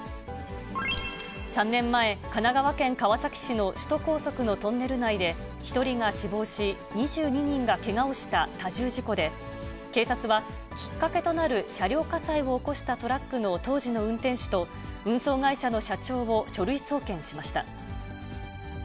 ３年前、神奈川県川崎市の首都高速のトンネル内で、１人が死亡し、２２人がけがをした多重事故で、警察は、きっかけとなる車両火災を起こしたトラックの当時の運転手と、運送会社の社長を書類送検しました。